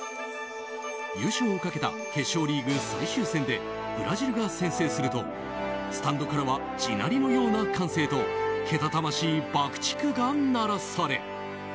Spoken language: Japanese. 優勝をかけた決勝リーグ最終戦でブラジルが先制するとスタンドからは地鳴りのような歓声とけたたましい爆竹が鳴らされ。